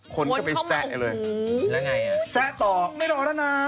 คนก็ไปแซะเลยแล้วไงอ่ะแซะต่อไม่รอแล้วนะ